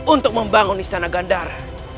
untuk membangun istana gandara